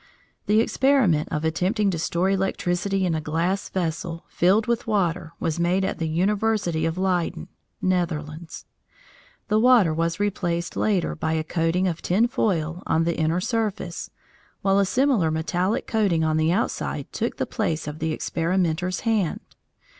The experiment of attempting to store electricity in a glass vessel filled with water was made at the University of Leyden (Netherlands). The water was replaced later by a coating of tin foil on the inner surface, while a similar metallic coating on the outside took the place of the experimenter's hand.